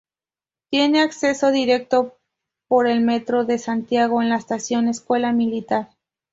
Tiene acceso directo por el metro de Santiago en la estación Escuela Militar.